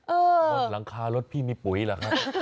เออเนี่ยบนหลังคารถ้าพี่มีปุ๋ยเหรอคะ